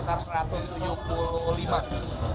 sekitar satu ratus tujuh puluh lima